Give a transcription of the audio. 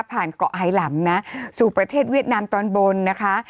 เกาะไฮลำนะสู่ประเทศเวียดนามตอนบนนะคะ